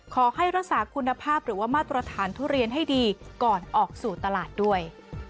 ขอให้รักษาคุณภาพหรือว่ามาตรฐานทุเรียนให้ดีก่อนออกสู่ตลาดด้วย